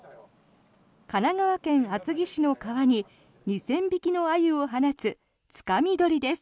神奈川県厚木市の川に２０００匹のアユを放つつかみ取りです。